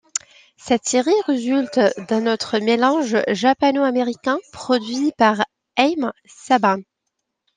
Cette série résulte d'un autre mélange japano-américain produit par Haim Saban.